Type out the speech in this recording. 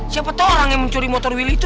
siapa tau orang yang mencuri motor wheel itu